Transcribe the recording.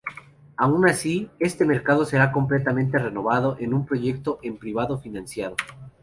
Aun así, este mercado será completamente renovado en un proyecto en privado financiado.